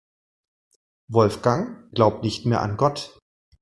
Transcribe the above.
Wolfgang glaubt nicht mehr an Gott.